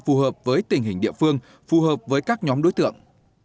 phù hợp với tình hình địa phương phù hợp với các nhóm đối tượng